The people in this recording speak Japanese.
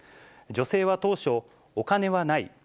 女性は当初、お金はない。